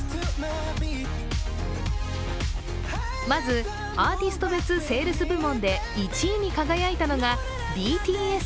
まず、アーティスト別セールス部門で１位に輝いたのがＢＴＳ。